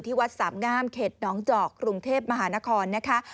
วัดสามงามเขตน้องจอกกรุงเทพมหานครนะคะ